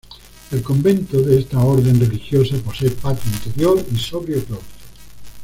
El Convento de esta orden religiosa posee patio interior y sobrio claustro.